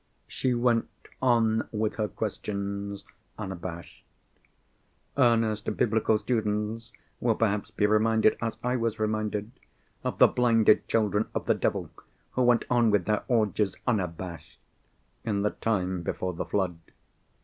She went on with her questions, unabashed. Earnest Biblical students will perhaps be reminded—as I was reminded—of the blinded children of the devil, who went on with their orgies, unabashed, in the time before the Flood.